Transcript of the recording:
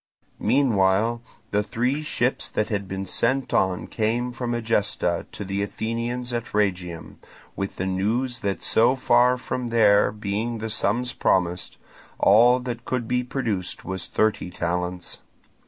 Meanwhile the three ships that had been sent on came from Egesta to the Athenians at Rhegium, with the news that so far from there being the sums promised, all that could be produced was thirty talents.